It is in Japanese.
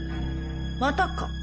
またか？